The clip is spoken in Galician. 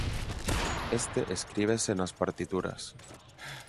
Este escríbese nas partituras.